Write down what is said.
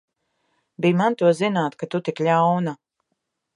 Bij man to zināt, ka tu tik ļauna!